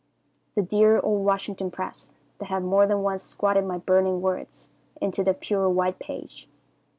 The dear old Washington press that had more than once squatted my burning words into the pure white page.